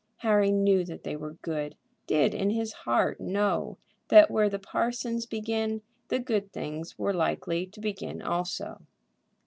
Harry knew that they were good, did in his heart know that where the parsons begin the good things were likely to begin also.